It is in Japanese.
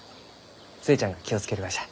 寿恵ちゃんが気を付けるがじゃ。